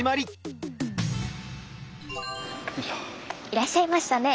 いらっしゃいましたね。